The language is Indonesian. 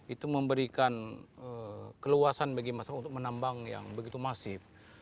itu memberikan keluasan bagi masyarakat untuk menambang yang begitu masif